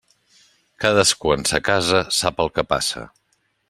Cadascú en sa casa sap el que passa.